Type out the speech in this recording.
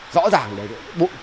rõ ràng để bụi